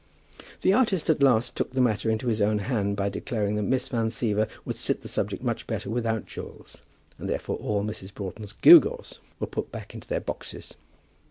The artist at last took the matter into his own hand by declaring that Miss Van Siever would sit the subject much better without jewels, and therefore all Mrs. Broughton's gewgaws were put back into their boxes.